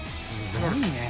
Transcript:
すごいね。